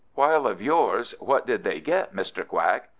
"While of yours, what did they get, Mr. Quack?"